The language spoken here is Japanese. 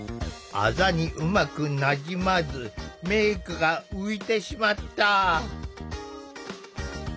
あざにうまくなじまずメークが浮いてしまった。